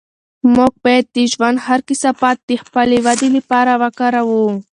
موږ باید د ژوند هر کثافت د خپلې ودې لپاره وکاروو.